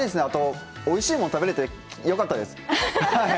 あとおいしいもん食べれてよかったです！